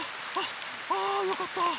あよかった。